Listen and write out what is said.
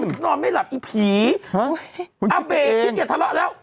คุณคิดไปเองอีผีอ้าวเบคิดอย่าทะเลาะแล้ว